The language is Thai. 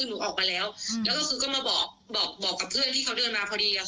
แต่คือถ้าสวยทนเข้าห้องน้ำผิดอ่ะค่ะ